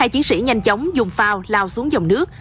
hai chiến sĩ nhanh chóng dùng phao lao xuống dòng nước